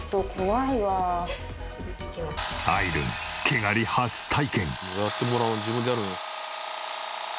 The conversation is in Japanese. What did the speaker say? あいるん毛刈り初体験。